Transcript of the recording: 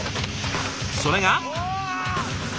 それが。